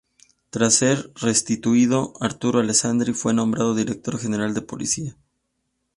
Tras ser restituido Arturo Alessandri, fue nombrado Director General de Policía.